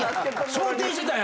想定してたんや！